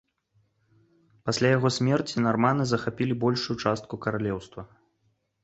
Пасля яго смерці нарманы захапілі большую частку каралеўства.